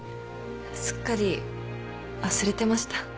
すっかり忘れてました。